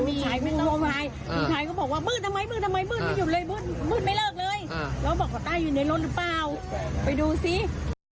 ลูกชายไม่ต้องลูกชายก็บอกว่าบืดทำไมบืดทำไมบืดไม่อยู่เลยบืดไม่เลิกเลย